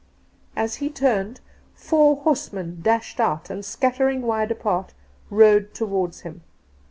As ke turned four horsemen dashed out, and scattering wide apart, rode towards him.